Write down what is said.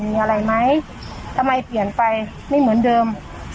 มีอะไรไหมทำไมเปลี่ยนไปไม่เหมือนเดิม